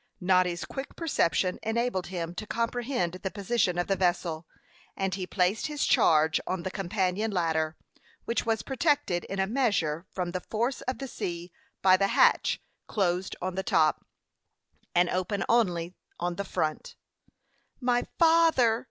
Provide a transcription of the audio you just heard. Noddy's quick perception enabled him to comprehend the position of the vessel, and he placed his charge on the companion ladder, which was protected in a measure from the force of the sea by the hatch, closed on the top, and open only on the front. "My father!"